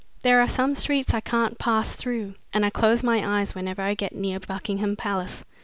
There are some streets I can't pass through, and I close my eyes whenever I get near Buckingham Palace.